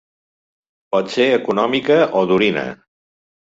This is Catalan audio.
Pot ser econòmica o d'orina.